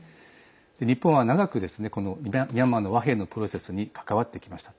日本は長く、ミャンマーの和平のプロセスに関わってきました。